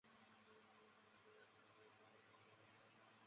阿什顿巷。